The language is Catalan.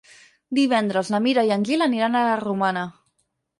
Divendres na Mira i en Gil aniran a la Romana.